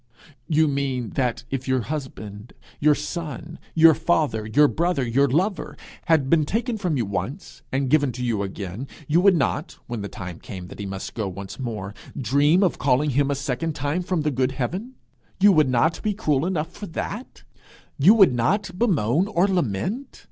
'You mean that if your husband, your son, your father, your brother, your lover, had been taken from you once and given to you again, you would not, when the time came that he must go once more, dream of calling him a second time from the good heaven? You would not be cruel enough for that! You would not bemoan or lament!